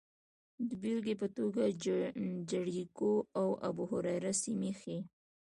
د بېلګې په توګه جریکو او ابوهریره سیمې ښيي